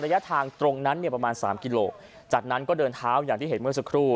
ระยะทางตรงนั้นเนี่ยประมาณสามกิโลจากนั้นก็เดินเท้าอย่างที่เห็นเมื่อสักครู่